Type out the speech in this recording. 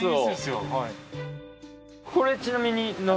これちなみに何？